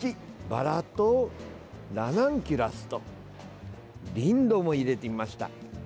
バラとラナンキュラスとリンドウも入れてみました。